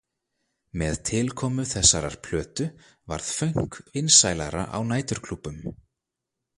Með tilkomu þessarar plötu varð fönk vinsælara á næturklúbbum.